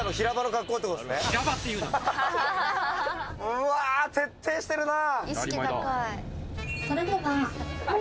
うわぁ、徹底してるな。